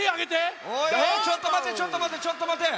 おいおいちょっとまてちょっとまてちょっとまて！